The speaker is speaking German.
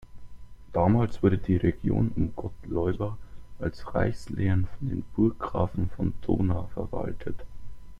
Damals wurde die Region um Gottleuba als Reichslehen von den Burggrafen von Dohna verwaltet.